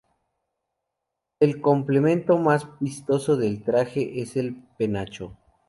El complemento más vistoso del traje es el penacho.